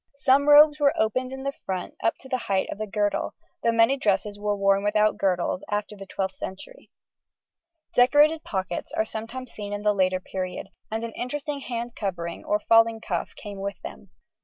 Some robes were opened in front up to the height of the girdle, though many dresses were worn without girdles after the 12th century. Decorated pockets are sometimes seen in the later period, and an interesting hand covering or falling cuff came with them. [Illustration: FIG.